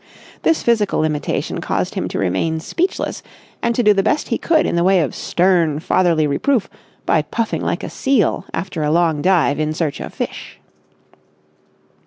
This physical limitation caused him to remain speechless and to do the best he could in the way of stern fatherly reproof by puffing like a seal after a long dive in search of fish.